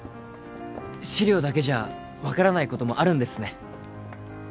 資料だけじゃ分からないこともあるんですね。